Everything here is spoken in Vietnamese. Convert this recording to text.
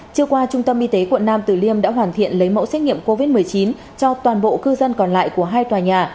trước qua trung tâm y tế quận nam tử liêm đã hoàn thiện lấy mẫu xét nghiệm covid một mươi chín cho toàn bộ cư dân còn lại của hai tòa nhà